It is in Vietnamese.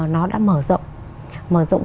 nó đã mở rộng mở rộng